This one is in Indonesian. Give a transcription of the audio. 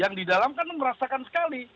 yang di dalam kan merasakan sekali